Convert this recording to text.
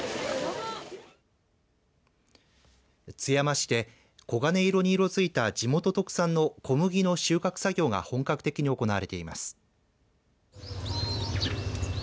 津山市で黄金色に色づいた地元特産の小麦の収穫作業が本格的に行われています。